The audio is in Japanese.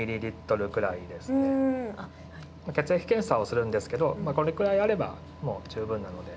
血液検査をするんですけどこれくらいあればもう十分なので。